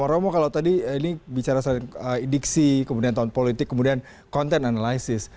romo kalau tadi ini bicara soal diksi kemudian tahun politik kemudian konten analisis